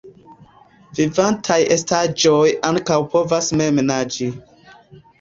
Vivantaj estaĵoj ankaŭ povas mem naĝi.